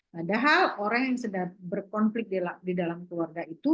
padahal orang yang sedang berkonflik di dalam keluarga itu